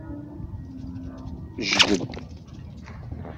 Jdeb.